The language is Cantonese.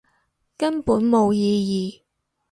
根本冇意義